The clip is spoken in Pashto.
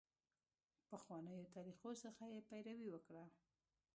پخوانیو طریقو څخه یې پیروي وکړه.